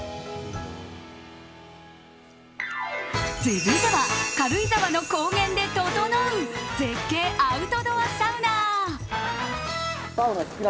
続いては軽井沢の高原で整う絶景アウトドアサウナ。